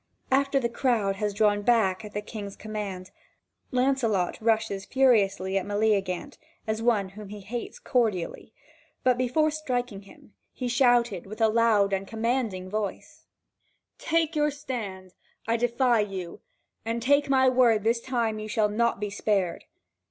After the crowd has drawn back at the King's command, Lancelot rushes furiously at Meleagant as at one whom he hates cordially, but before striking him, he shouted with a loud and commanding voice: "Take your stand, I defy you! And take my word, this time you shall not be spared."